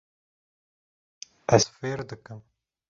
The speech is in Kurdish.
Ez fêr dikim.